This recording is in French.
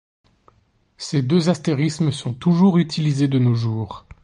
Ces deux astérismes sont toujours utilisés de nos jours.